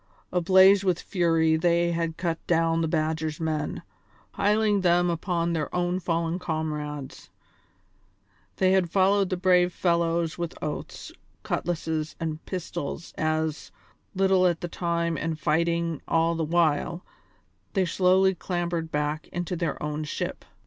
Ablaze with fury they had cut down the Badger's men, piling them upon their own fallen comrades; they had followed the brave fellows with oaths, cutlasses, and pistols as, little at a time and fighting all the while, they slowly clambered back into their own ship.